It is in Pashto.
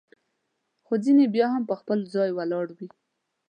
خو ځیني بیا هم پر خپل ځای ولاړ وي.